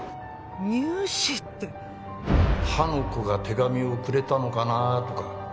乳歯って歯の子が手紙をくれたのかなとか